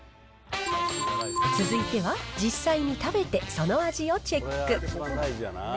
続いては、実際に食べて、その味をチェック。